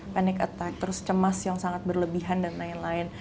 panic attack terus cemas yang sangat berlebihan dan lain lain